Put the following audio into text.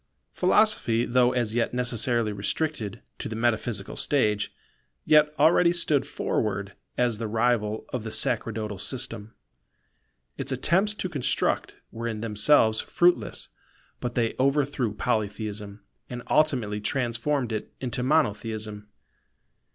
Philosophy, though as yet necessarily restricted to the metaphysical stage, yet already stood forward as the rival of the sacerdotal system. Its attempts to construct were in themselves fruitless; but they overthrew Polytheism, and ultimately transformed it into Monotheism.